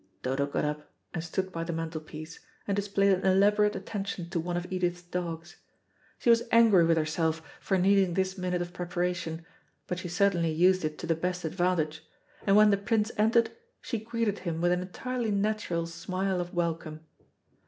Dodo got up and stood by the mantelpiece, and displayed an elaborate attention to one of Edith's dogs. She was angry with herself for needing this minute of preparation, but she certainly used it to the best advantage; and when the Prince entered she greeted him with an entirely natural smile of welcome.